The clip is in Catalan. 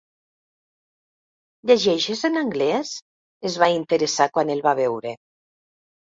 Llegeixes en anglès? —es va interessar quan el va veure.